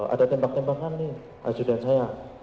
ada tembak tembakan nih azu dan saya